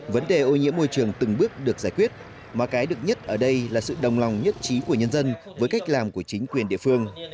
vấn đề ô nhiễm môi trường từng bước được giải quyết mà cái được nhất ở đây là sự đồng lòng nhất trí của nhân dân với cách làm của chính quyền địa phương